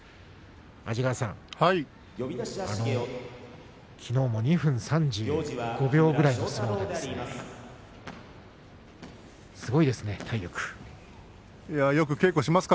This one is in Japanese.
安治川さん、きのうも２分３５秒ぐらいの相撲でした。